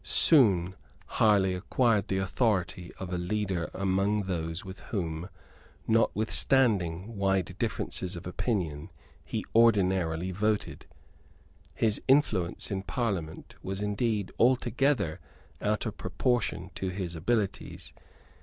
Soon Harley acquired the authority of a leader among those with whom, notwithstanding wide differences of opinion, he ordinarily voted. His influence in Parliament was indeed altogether out of proportion to his abilities.